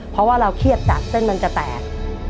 เพราะว่าเราเครียดจากเส้นมันจะแตก